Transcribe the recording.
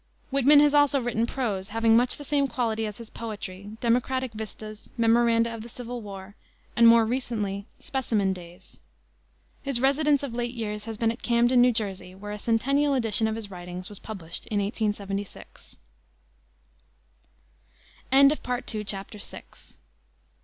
Whitman has also written prose having much the same quality as his poetry: Democratic Vistas, Memoranda of the Civil War, and more recently, Specimen Days. His residence of late years has been at Camden, New Jersey, where a centennial edition of his writings was published in 1876. 1. William Cullen Bryant. Thanatopsis.